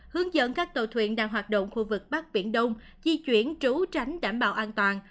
hướng dẫn các tàu thuyền đang hoạt động khu vực bắc biển đông di chuyển trú tránh đảm bảo an toàn